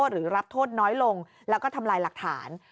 หรือรับโทษน้อยลงแล้วก็ทำลายหลักฐาน